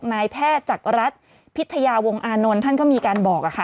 นายแพทย์จักรรัฐพิทยาวงอานนท์ท่านก็มีการบอกค่ะ